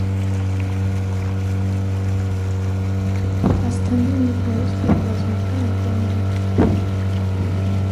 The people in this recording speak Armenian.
Վրաստանը ունի հարուստ և բազմազան էկոհամակարգ։